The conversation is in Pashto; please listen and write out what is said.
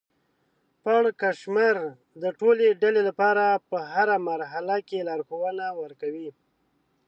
پړکمشر د ټولې ډلې لپاره په هره مرحله کې لارښوونه ورکوي.